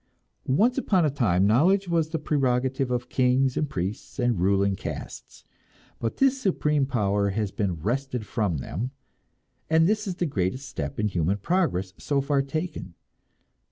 Once upon a time knowledge was the prerogative of kings and priests and ruling castes; but this supreme power has been wrested from them, and this is the greatest step in human progress so far taken.